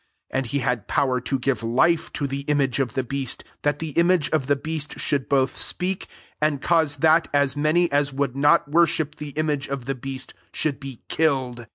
, 15 And he had power to give life to the image of the beast, that the image of the beast should both speak, and cause that as many as would not wor ship the image of the beast should be killed.